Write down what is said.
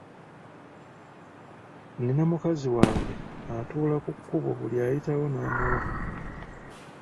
Nina mukazi wange atuula ku kkubo buli ayitiwo n’amuwa.